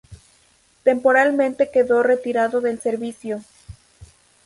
Temporalmente quedó retirado del servicio.